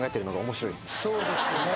そうですね